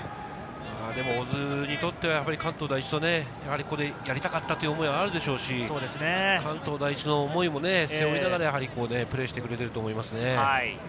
でも大津にとっては関東第一とやりたかったという思いはあるでしょうし、関東第一の思いも背負いながらプレーしてくれていると思いますね。